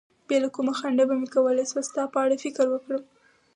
بې له کوم خنډه به مې کولای شول ستا په اړه فکر وکړم.